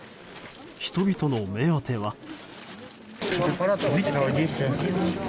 人々の目当ては。